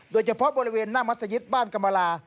โดยเฉพาะบริเวณหน้ามัศยิตบ้านกรรมลา